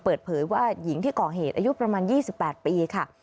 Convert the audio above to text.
เปิดเผยว่าหญิงที่ก่อเหตุอายุประมาณ๒๘ปีค่ะ